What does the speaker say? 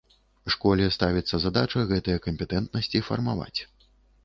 Школе ставіцца задача гэтыя кампетэнтнасці фармаваць.